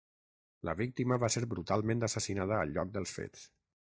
La víctima va ser brutalment assassinada al lloc dels fets.